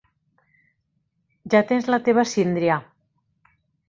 Ja tens la teva síndria.